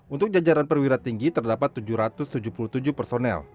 untuk jajaran perwira tinggi terdapat tujuh ratus tujuh puluh tujuh personel